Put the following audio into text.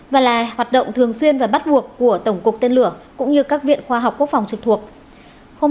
và là hoạt động thường xuyên và bắt buộc của tổng cục tên lửa cũng như các viện khoa học quốc phòng trực thuộc